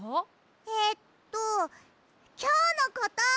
えっときょうのこと！